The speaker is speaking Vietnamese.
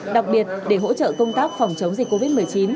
đặc biệt để hỗ trợ công tác phòng chống dịch covid một mươi chín